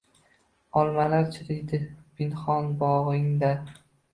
Olmalar chiriydi pinhon bog’ingda